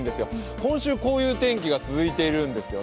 今週、こういう天気が続いているんですよね。